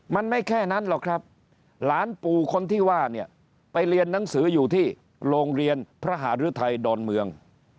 มันไม่แค่นั้นหรอกครับหลานปู่คนที่ว่าเนี่ยไปเรียนหนังสืออยู่ที่โรงเรียนพระหารือไทยดอนเมือง